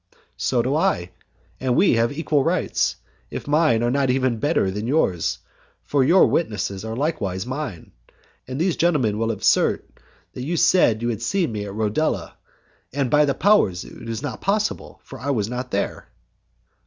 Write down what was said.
"So do I, and we have equal rights, if mine are not even better than yours, for your witnesses are likewise mine, and these gentlemen will assert that you said that you had seen me at Rodela, and, by the powers! it is not possible, for I was not there."